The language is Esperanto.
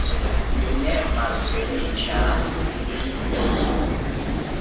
Mi ne malfeliĉas pri tio.